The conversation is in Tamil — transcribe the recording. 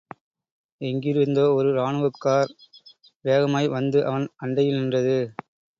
எங்கிருந்தோ ஒரு ராணுவக்கார் வேகமாய் வந்து அவன் அண்டையில் நின்றது.